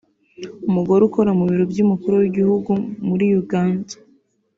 umugore ukora mu Biro by’Umukuru w’Igihugu muri Uganda